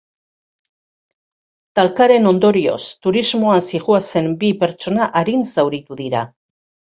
Talkaren ondorioz, turismoan zihoazen bi pertsona arin zauritu dira.